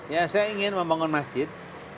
ya saya ingin membangun masjid